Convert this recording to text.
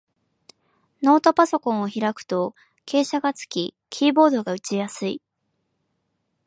ノートパソコンを開くと傾斜がつき、キーボードが打ちやすい